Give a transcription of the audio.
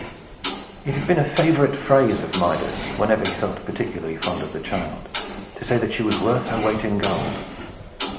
It had been a favorite phrase of Midas, whenever he felt particularly fond of the child, to say that she was worth her weight in gold.